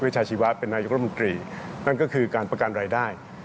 ชาชีวะเป็นนายกรมนตรีนั่นก็คือการประกันรายได้